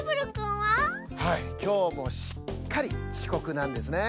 はいきょうもしっかりちこくなんですね。